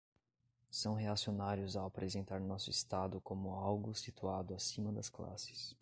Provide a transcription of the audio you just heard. São reacionários ao apresentar nosso Estado como algo situado acima das classes